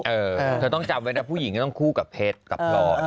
เออเธอต้องจำไว้นะผู้หญิงก็ต้องคู่กับเพชรกับพลอย